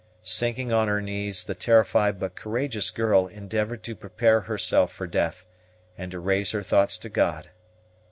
Sinking on her knees, the terrified but courageous girl endeavored to prepare herself for death, and to raise her thoughts to God.